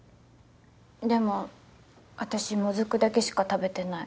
でも私もずくだけしか食べてない。